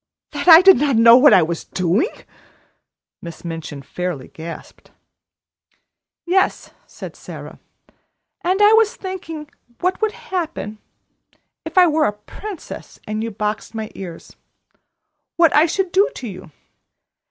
"That I did not know what I was doing!" Miss Minchin fairly gasped. "Yes," said Sara, "and I was thinking what would happen, if I were a princess and you boxed my ears what I should do to you.